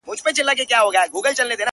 د مظلوم چیغي چا نه سوای اورېدلای-